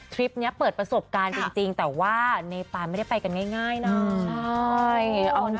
คลิปนี้เปิดประสบการณ์จริงแต่ว่าเนปานไม่ได้ไปกันง่ายนะใช่